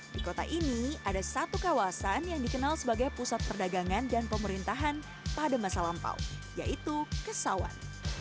di kota ini ada satu kawasan yang dikenal sebagai pusat perdagangan dan pemerintahan pada masa lampau yaitu kesawan